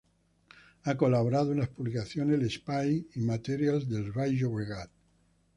Ha colaborado en las publicaciones L’Espai y Materials del Baix Llobregat.